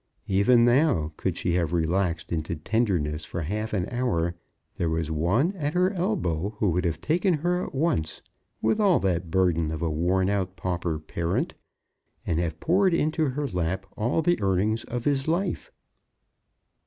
Even now, could she have relaxed into tenderness for half an hour, there was one at her elbow who would have taken her at once, with all that burden of a worn out pauper parent, and have poured into her lap all the earnings of his life.